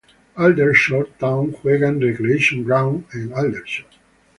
Aldershot Town juega en Recreation Ground, en Aldershot.